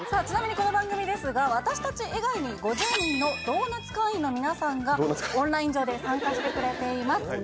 ちなみにこの番組ですが私達以外に５０人のドーナツ会員の皆さんがオンライン上で参加してくれています